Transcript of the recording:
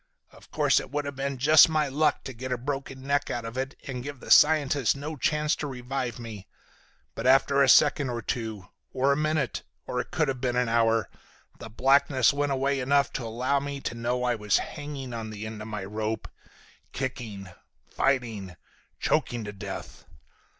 Of course it would have been just my luck to get a broken neck out of it and give the scientist no chance to revive me. But after a second or two, or a minute, or it could have been an hour, the blackness went away enough to allow me to know I was hanging on the end of the rope, kicking, fighting, choking to death.